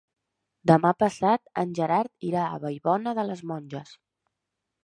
Demà passat en Gerard irà a Vallbona de les Monges.